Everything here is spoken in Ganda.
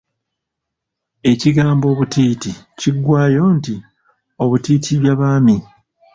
Ekigambo obutiiti kiggwayo nti obutiitiibyabaami.